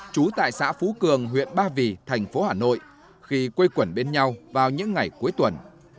chú tại xã phú cường huyện ba vì thành phố hà nội khi quê quẩn bên nhau vào những ngày cuối tuần